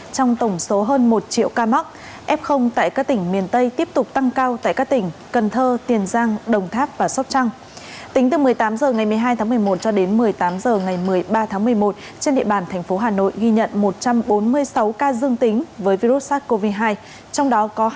trong tổng số hơn một triệu ca mắc f tại các tỉnh miền tây tiếp tục tăng cao tại các tỉnh cần thơ tiền giang đồng tháp và sóc trăng